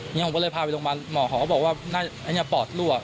เนี่ยบอกเลยพาไปลงมาหมอเคล่าเหล่าว่าไอ้แน็นหน้าปอดรว